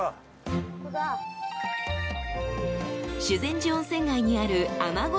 ［修善寺温泉街にある］